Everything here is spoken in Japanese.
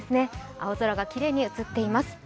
青空がきれいに映っています。